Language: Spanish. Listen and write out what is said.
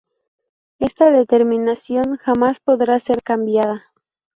Esta determinación jamás podrá ser cambiada.